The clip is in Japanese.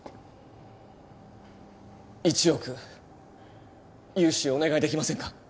１億融資お願いできませんか？